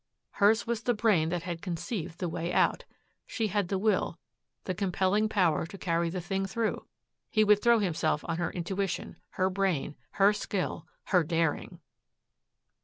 Hers was the brain that had conceived the way out. She had the will, the compelling power to carry the thing through. He would throw himself on her intuition, her brain, her skill, her daring.